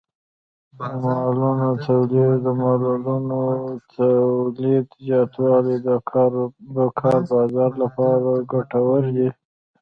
د مالونو د تولید زیاتوالی د کار بازار لپاره ګټور دی.